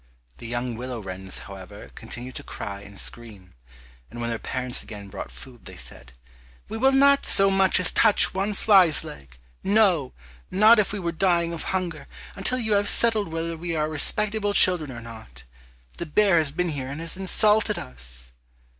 The young willow wrens, however, continued to cry and scream, and when their parents again brought food they said, "We will not so much as touch one fly's leg, no, not if we were dying of hunger, until you have settled whether we are respectable children or not; the bear has been here and has insulted us!"